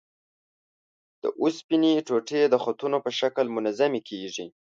د اوسپنې ټوټې د خطونو په شکل منظمې کیږي.